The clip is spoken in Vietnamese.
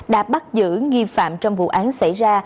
đã bắt giữ nghi phạm trong vụ án xảy ra